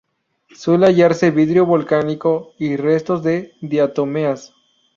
Suele hallarse vidrio volcánico y restos de diatomeas.